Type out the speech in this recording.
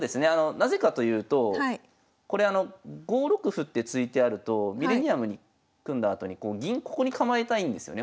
なぜかというとこれ５六歩って突いてあるとミレニアムに組んだあとに銀ここに構えたいんですよね